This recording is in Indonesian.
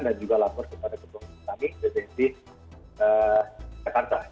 dan juga lapor kepada ketua pertanian dt di jakarta